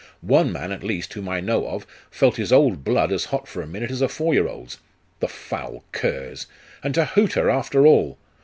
One man, at least, whom I know of, felt his old blood as hot for the minute as a four year old's. The foul curs! And to hoot her, after all!